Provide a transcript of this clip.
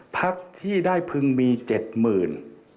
ภาคที่ได้พึงมีเจ็ดหมื่น